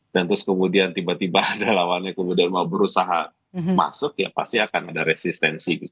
dan terus kemudian tiba tiba ada lawannya kemudian mau berusaha masuk ya pasti akan ada resistensi